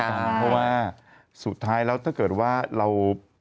เพราะว่าสุดท้ายแล้วถ้าเกิดว่าเรา